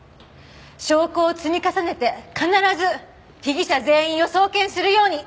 証拠を積み重ねて必ず被疑者全員を送検するように！